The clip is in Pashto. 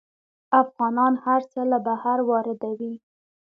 افغانان هر څه له بهر واردوي.